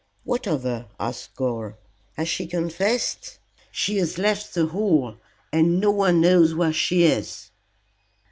"What of her?" asked Gore. "Has she confessed?" "She has left the Hall, and no one knows where she is!"